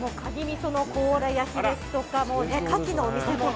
みその甲羅焼きですとかカキのお店も。